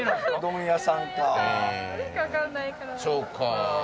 そうか。